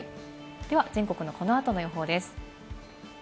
では全国のこの後の予報です。